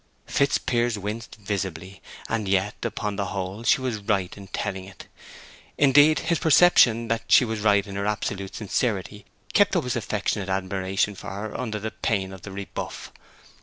Fitzpiers winced visibly; and yet, upon the whole, she was right in telling it. Indeed, his perception that she was right in her absolute sincerity kept up his affectionate admiration for her under the pain of the rebuff.